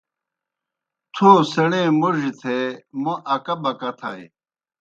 تھو سیْݨے موڙیْ تھے موْ اکہ بکہ تھائے۔